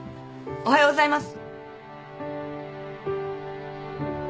おはようございます。